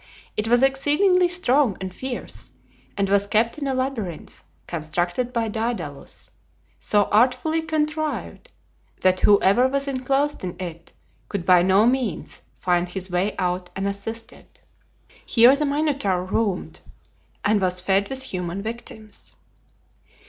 It was exceedingly strong and fierce, and was kept in a labyrinth constructed by Daedalus, so artfully contrived that whoever was enclosed in it could by no means, find his way out unassisted. Here the Minotaur roamed, and was fed with human victims.